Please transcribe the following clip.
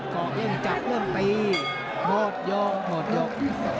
ก็ยังจับเรื่องตีหมดโยงหมดยก